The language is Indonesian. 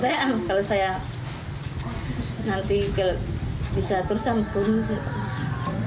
insya allah kalau saya nanti bisa terus saya mimpi